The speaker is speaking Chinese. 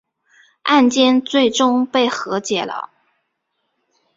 案件最终被和解了。